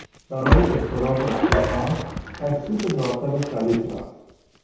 برای احتراز از توفان، کشتی به داخل خلیج رفت.